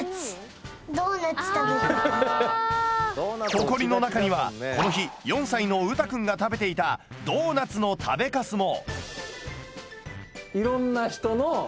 ホコリの中にはこの日４歳の羽汰くんが食べていたドーナツの食べカスも！